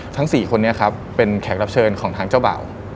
ทั้ง๔คนเป็นแขกรับเชิญของทางเจ้าบ่าว